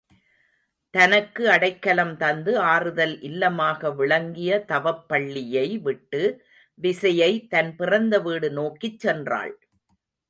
தனக்கு அடைக்கலம் தந்து ஆறுதல் இல்லமாக விளங்கிய தவப்பள்ளியை விட்டு விசயை தன் பிறந்த வீடு நோக்கிச் சென்றாள்.